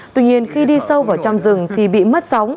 tuy nhiên khi đi sâu vào trong rừng thì bị mất sóng